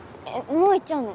もう行っちゃうの？